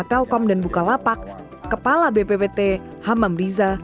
telkom dan bukalapak kepala bppt hamam riza